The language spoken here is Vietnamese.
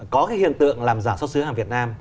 có cái hiện tượng làm giả xuất xứ hàng việt nam